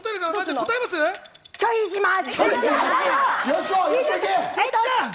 答え拒否します。